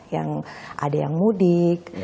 yang ada yang mudik